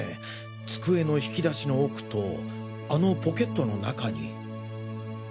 机の抽斗の奥とあのポケットの中に。